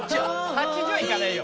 「８０はいかないよ」